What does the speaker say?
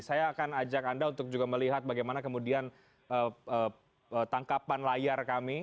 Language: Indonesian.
saya akan ajak anda untuk juga melihat bagaimana kemudian tangkapan layar kami